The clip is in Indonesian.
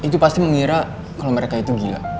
itu pasti mengira kalau mereka itu gila